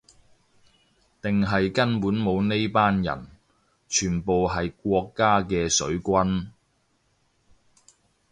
定係根本冇呢班人，全部係國家嘅水軍